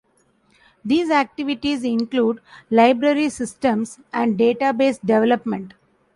These activities include library systems and database development.